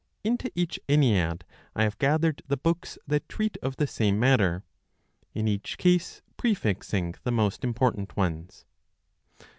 Into each Ennead I have gathered the books that treat of the same matter, in each case prefixing the most important ones.